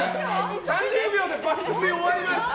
３０秒で番組終わります！